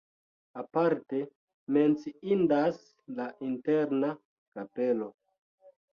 Aparte menciindas la interna kapelo.